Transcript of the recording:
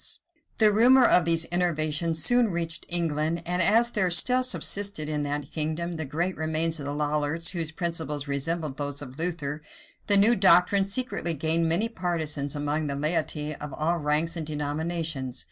Sleidan The rumor of these innovations soon reached England and as there still subsisted in that kingdom great remains of the Lollards, whose principles resembled those of Luther, the new doctrines secretly gained many partisans among the laity of all ranks and denominations.